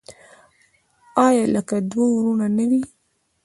آیا لکه دوه ورونه نه وي؟